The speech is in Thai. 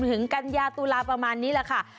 ถึงกันยาตุลาประมาณนี้แหละค่ะ